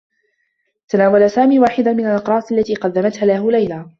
تناول سامي واحد من الأقراص التي قدّمتها له ليلى.